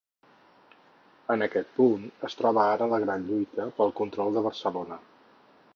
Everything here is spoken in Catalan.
En aquest punt es troba ara la gran lluita pel control de Barcelona.